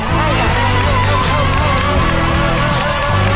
นั่นเลยนะค่ะ